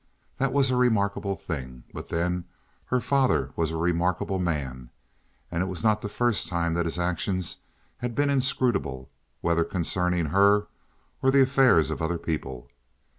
That was a remarkable thing, but, then, her father was a remarkable man, and it was not the first time that his actions had been inscrutable, whether concerning her or the affairs of other people.